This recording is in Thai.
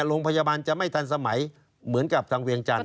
โรงพยาบาลจะไม่ทันสมัยเหมือนกับทางเวียงจันท